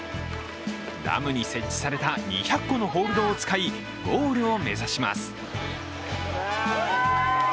ダムに設置された２００個のホールドを使いゴールを目指します。